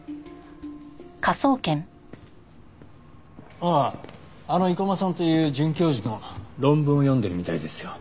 あああの生駒さんという准教授の論文を読んでるみたいですよ。